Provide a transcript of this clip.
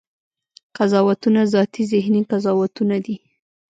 قضاوتونه ذاتي ذهني قضاوتونه دي.